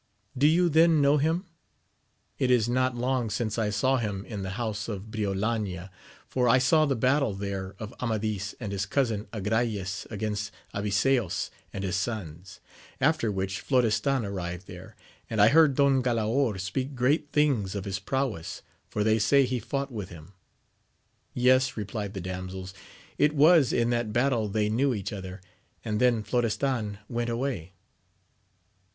— ^Do you then know him %— It is not long since I saw him in the housed of Briolania, for I saw the battle there of Amadis and his cousin Agrayes against Abiseos and his sons ; after which Florestan arrived there, and I heard Don Galaor speak great things of his prowess, for they say he fought with him. — ^Yes, replied the damsels, it was in that battle they knew each other, and then Florestan went away.